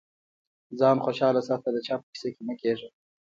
ځان خوشاله ساته د چا په کيسه کي مه کېږه.